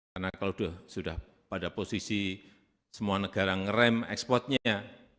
karena kalau sudah pada posisi semua negara ngeram ekspornya